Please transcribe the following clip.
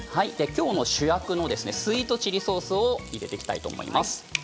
きょうの主役のスイートチリソースを入れていきたいと思います。